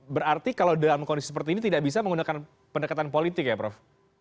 berarti kalau dalam kondisi seperti ini tidak bisa menggunakan pendekatan politik ya prof